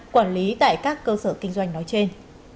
quản lý tại các cơ sở kinh doanh nói trên